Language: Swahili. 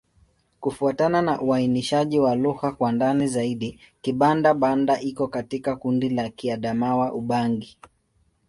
Kufuatana na uainishaji wa lugha kwa ndani zaidi, Kibanda-Banda iko katika kundi la Kiadamawa-Ubangi.